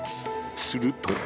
すると。